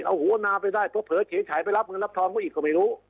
เอาหัวนาไปได้เพราะเผลอเขียนฉายไปรับเงินรับทองก็อีกก็ไม่รู้